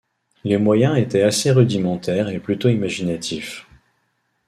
Les moyens étaient assez rudimentaires et plutôt imaginatifs.